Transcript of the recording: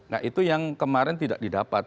nah itu yang kemarin tidak didapat